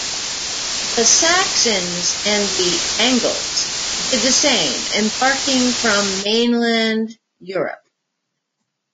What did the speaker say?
The Saxons and the Angles did the same, embarking from mainland Europe.